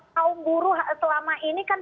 kaum buruh selama ini kan